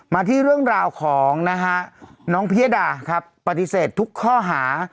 มาที่เรื่องราวของนะฮะน้องพิยดาครับปฏิเสธทุกข้อหา